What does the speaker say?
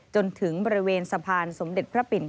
จนถึงบริเวณสะพานสมเด็จพระปิ่น